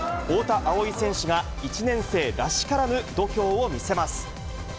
太田蒼生選手が１年生らしからぬ度胸を見せます。